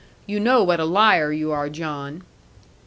You know what a liar you are, John.'